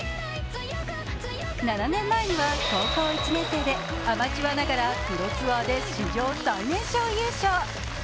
７年前には高校１年生で、アマチュアながらプロツアーで史上最年少優勝。